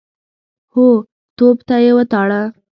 هو، توپ ته يې وتاړه.